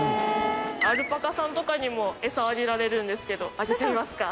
アルパカさんとかにもエサあげられるんですけどあげてみますか？